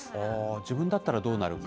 自分だったらどうなるか。